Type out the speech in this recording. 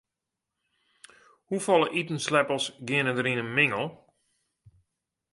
Hoefolle itensleppels geane der yn in mingel?